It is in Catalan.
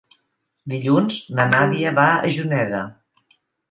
Dilluns na Nàdia va a Juneda.